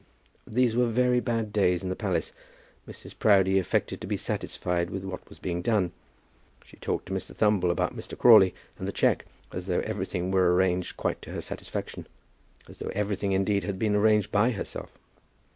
These were very bad days in the palace. Mrs. Proudie affected to be satisfied with what was being done. She talked to Mr. Thumble about Mr. Crawley and the cheque, as though everything were arranged quite to her satisfaction, as though everything, indeed, had been arranged by herself.